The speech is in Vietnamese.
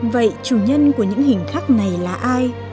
vậy chủ nhân của những hình khắc này là ai